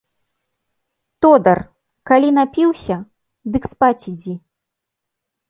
Тодар, калі напіўся, дык спаць ідзі.